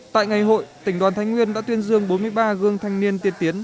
tại ngày hội tỉnh đoàn thánh nguyên đã tuyên dương bốn mươi ba gương thanh niên tiên tiến